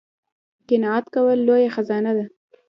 قناعت کول لویه خزانه ده